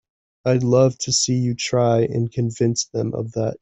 I'd love to see you try and convince them of that!